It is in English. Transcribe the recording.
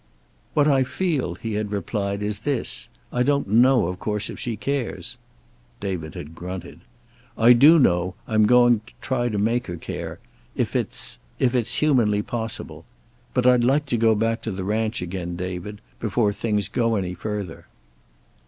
"What I feel," he had replied, "is this: I don't know, of course, if she cares." David had grunted. "I do know I'm going to try to make her care, if it if it's humanly possible. But I'd like to go back to the ranch again, David, before things go any further."